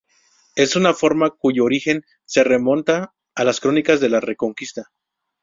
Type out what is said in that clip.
Es una forma cuyo origen se remonta a las crónicas de la Reconquista.